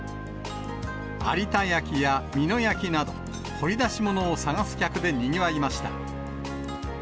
有田焼や美濃焼など、掘り出し物を探す客でにぎわいました。